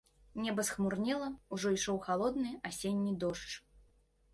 Неба схмурнела, ужо ішоў халодны асенні дождж.